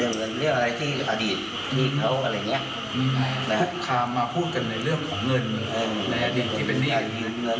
เงินนี้เลยครับ